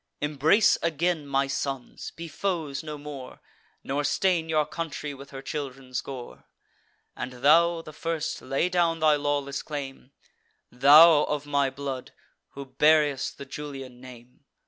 Embrace again, my sons, be foes no more; Nor stain your country with her children's gore! And thou, the first, lay down thy lawless claim, Thou, of my blood, who bear'st the Julian name!